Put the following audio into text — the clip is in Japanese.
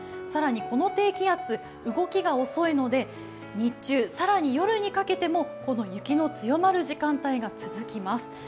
更にこの低気圧、動きが遅いので、日中、更に夜にかけてもこの雪の強まる時間帯が続きます。